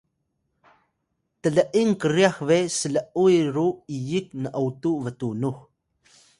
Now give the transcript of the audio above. tl’ing kryax beh sl’uy ru iyik n’otu btunux